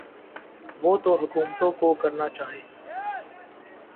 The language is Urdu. وہ تو حکومتوں کو کرنا چاہیے۔